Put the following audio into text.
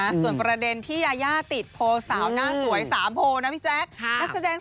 ส่วนประเด็นที่ยายาติดโพลสาวหน้าสวยสามโพลนะพี่แจ๊ค